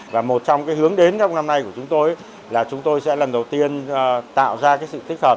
và một trong hướng đến trong năm nay của chúng tôi là chúng tôi sẽ lần đầu tiên tạo ra sự tích hợp